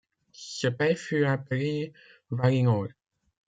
Ce pays fut appelé Valinor.